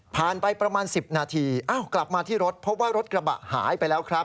ผ่านไปประมาณสิบนาทีเอ้ากลับมาที่รถเพราะว่ารถกระบะหายไปแล้วครับ